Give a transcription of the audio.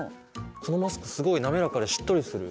このマスクすごい滑らかでしっとりする。